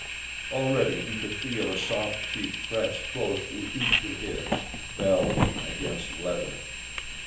Already he could feel a soft cheek pressed close to each of his—velvet against leather.